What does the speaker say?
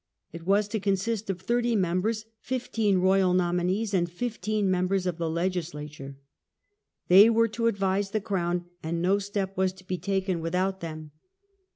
It was to con sist of thirty members, fifteen royal nominees, and fifteen members of the Legislature. They were to advise the crown, and no step was to be taken without them. A CANDIDATE FOR THE THRONE.